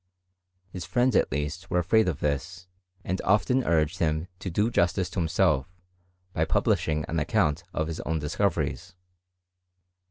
Hitf friends at least were afraid of this, and often urged him to do justice to himself, by publishing an account of his own discoveries.